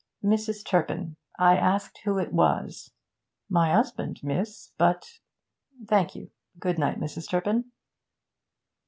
'Mrs. Turpin, I asked who it was.' 'My 'usband, miss. But ' 'Thank you. Good night, Mrs. Turpin.'